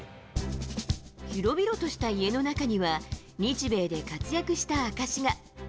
広々とした家の中には、日米で活躍した証しが。